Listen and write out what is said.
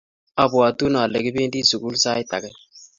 Abwatun ale kipendi sugul sait age.